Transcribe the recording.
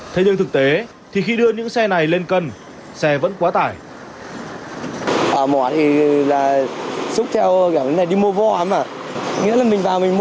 thế nhưng thực tế thì khi đưa những xe này lên cân xe vẫn quá tải